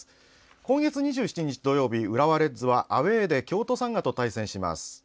今月２７日土曜日、浦和レッズはアウェーで京都サンガと対戦します。